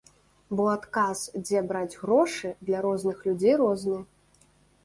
Бо адказ, дзе браць грошы, для розных людзей розны.